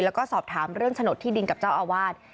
แล้วก็สอบถามเรื่องฉนดที่ดินกับเจ้าอาวาส